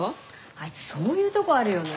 あいつそういうとこあるよね。